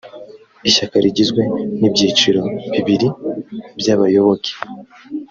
ishyaka rigizwe n ibyiciro bibiri by abayoboke